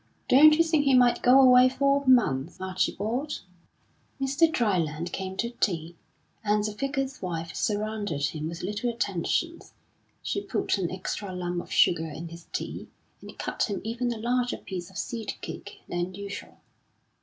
Don't you think he might go away for a month, Archibald?" Mr. Dryland came to tea, and the Vicar's wife surrounded him with little attentions. She put an extra lump of sugar in his tea, and cut him even a larger piece of seed cake than usual.